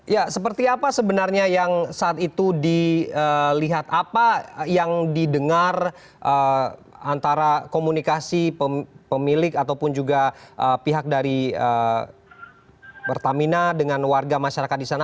ya seperti apa sebenarnya yang saat itu dilihat apa yang didengar antara komunikasi pemilik ataupun juga pihak dari pertamina dengan warga masyarakat di sana